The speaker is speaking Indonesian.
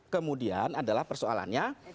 kemudian adalah persoalannya